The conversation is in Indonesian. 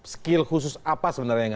skill khusus apa sebenarnya yang